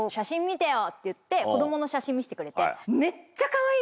って言って子供の写真見せてくれて。